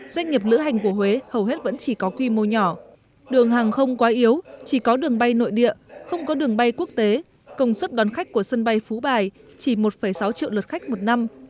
doanh nghiệp lữ hành của huế hầu hết vẫn chỉ có quy mô nhỏ đường hàng không quá yếu chỉ có đường bay nội địa không có đường bay quốc tế công suất đón khách của sân bay phú bài chỉ một sáu triệu lượt khách một năm